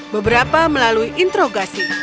beberapa melalui introgasi